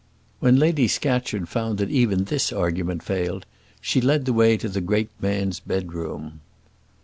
When Lady Scatcherd found that even this argument failed, she led the way to the great man's bedroom.